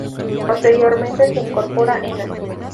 Posteriormente se incorpora Ena.